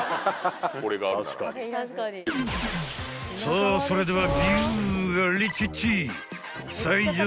［さあそれでは］